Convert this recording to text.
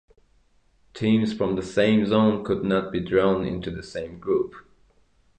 Teams from the same zone could not be drawn into the same group.